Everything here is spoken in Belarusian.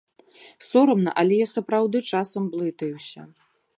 Сорамна, але я сапраўды часам блытаюся.